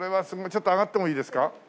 ちょっと上がってもいいですか？